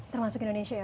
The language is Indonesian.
termasuk indonesia ya